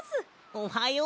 おはよう。